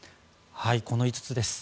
この５つです。